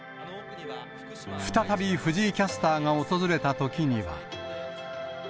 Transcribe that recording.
再び藤井キャスターが訪れたときには。